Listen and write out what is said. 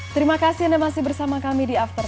terima kasih anda masih bersama kami di after sepuluh